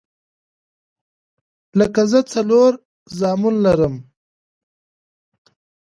لکه زه څلور زامن لرم